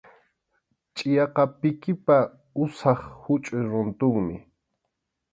Chʼiyaqa pikipa usap huchʼuy runtunmi.